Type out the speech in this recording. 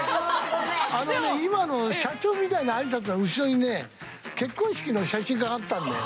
今の社長みたいな挨拶の後ろにね結婚式の写真があったんだよ。